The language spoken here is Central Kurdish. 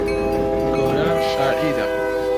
گۆران شاعیرە.